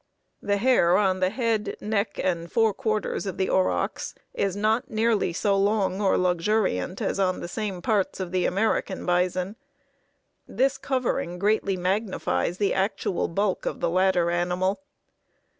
The hair on the head, neck, and forequarters of the aurochs is not nearly so long or luxuriant as on the same parts of the American bison. This covering greatly magnifies the actual bulk of the latter animal.